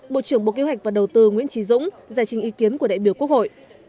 bộ trưởng bộ kế hoạch và đầu tư nguyễn trí dũng giải trình ý kiến của đại biểu quốc hội